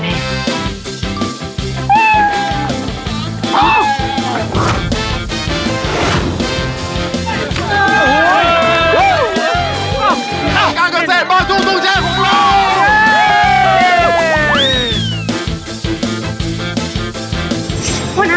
การเกิดเสร็จบอสจุทุเชฟของเรา